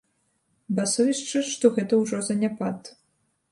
Басовішча, што гэта ўжо заняпад.